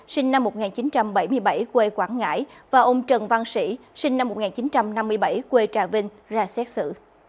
sinh năm một nghìn chín trăm bảy mươi bảy quê quảng ngãi và ông trần văn sĩ sinh năm một nghìn chín trăm năm mươi bảy quê trà vinh ra xét xử